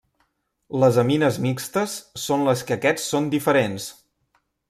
Les amines mixtes són les que aquests són diferents.